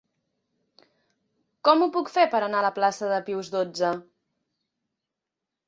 Com ho puc fer per anar a la plaça de Pius dotze?